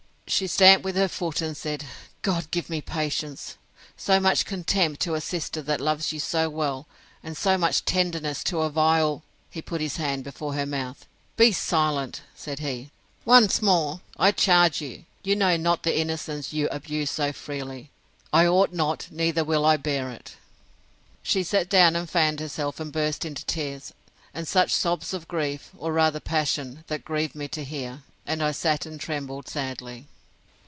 She stamped with her foot, and said, God give me patience! So much contempt to a sister that loves you so well; and so much tenderness to a vile—— He put his hand before her mouth: Be silent, said he, once more, I charge you! You know not the innocence you abuse so freely. I ought not, neither will I bear it. She sat down and fanned herself, and burst into tears, and such sobs of grief, or rather passion, that grieved me to hear; and I sat and trembled sadly.